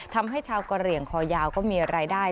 ทำให้ชาวกะเหลี่ยงคอยาวก็มีรายได้